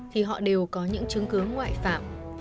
thì họ đều có những chứng cứ ngoại phạm tại đêm xảy ra vụ án